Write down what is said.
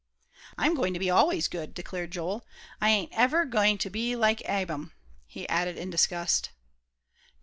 "I'm going to be always good," declared Joel. "I ain't ever going to be like Ab'm," he added in disgust.